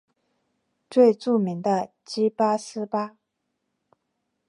最著名的即八思巴。